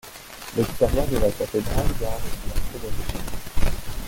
L’extérieur de la cathédrale garde son aspect d'origine.